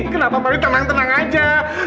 kenapa baru tenang tenang aja